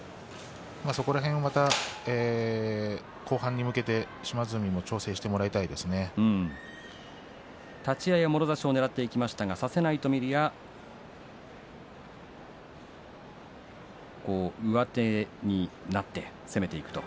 そこら辺、後半に向けて島津海に立ち合いはもろ差しをねらいましたが差せないと見るや上手になって攻めていくと。